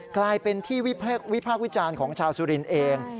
กลายเป็นที่วิพากษ์วิจารณ์ของชาวสุรินทร์เอง